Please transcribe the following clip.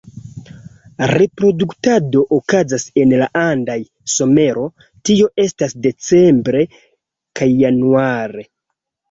Reproduktado okazas en la andaj somero, tio estas decembre kaj januare.